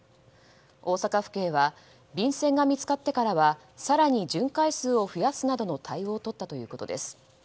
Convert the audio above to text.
大阪府警は便せんが見つかってからは更に巡回数を増やすなどの対応をとったということです。